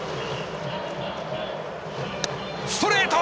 ストレート！